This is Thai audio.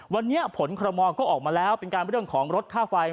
วันนี้ผลคอรมอลก็ออกมาแล้วเป็นการเรื่องของลดค่าไฟ